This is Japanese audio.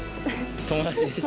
友達です。